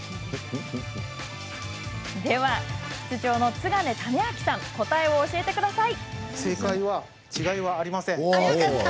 室長の津金胤明さん答えを教えてください。